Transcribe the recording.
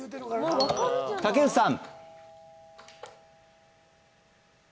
竹内さん